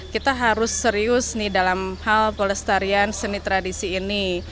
kita harus serius nih dalam hal pelestarian seni tradisi ini